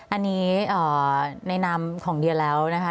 อันนี้ในนามของเดียแล้วนะคะ